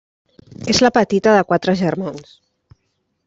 És la petita de quatre germans.